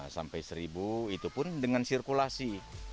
sampai seribu itu pun dengan sirkulasi